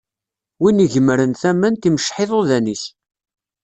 Win igemren tament, imecceḥ iḍudan-is.